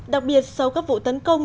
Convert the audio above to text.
đặc biệt sau các vụ tấn công